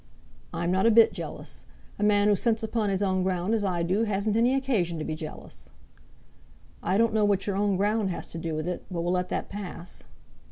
"I'm not a bit jealous. A man who sits upon his own ground as I do hasn't any occasion to be jealous." "I don't know what your own ground has to do with it, but we'll let that pass."